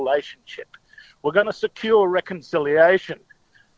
kita akan memperbaiki rekonomiannya